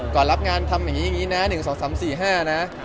รับงานทำอย่างนี้อย่างนี้นะ๑๒๓๔๕นะ